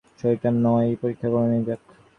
শরীরটা নাহয় পরীক্ষা করানোই যাক।